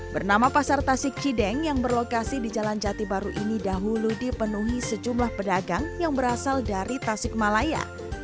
bernama pasar tasik cideng yang berlokasi di jalan jati baru ini dahulu dipenuhi sejumlah pedagang yang berasal dari tasikmalaya